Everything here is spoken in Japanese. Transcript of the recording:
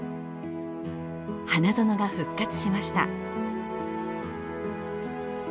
花園が復活しました。